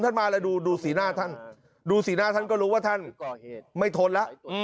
มาแล้วดูดูสีหน้าท่านดูสีหน้าท่านก็รู้ว่าท่านไม่ทนแล้ว